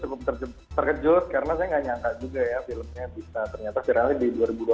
cukup terkejut karena saya nggak nyangka juga ya filmnya bisa ternyata viralnya di dua ribu dua puluh